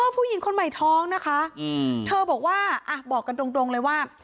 ผู้หญิงคนใหม่ท้องนะคะเธอบอกว่าบอกกันตรงเลยว่า